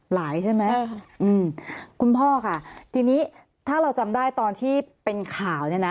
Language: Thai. ใช่ไหมอืมคุณพ่อค่ะทีนี้ถ้าเราจำได้ตอนที่เป็นข่าวเนี่ยนะ